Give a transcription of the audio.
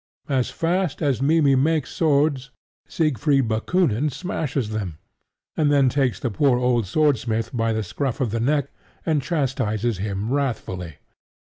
As fast as Mimmy makes swords, Siegfried Bakoonin smashes them, and then takes the poor old swordsmith by the scruff of the neck and chastises him wrathfully.